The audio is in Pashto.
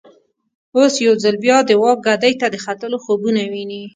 اوس یو ځل بیا د واک ګدۍ ته د ختلو خوبونه ویني.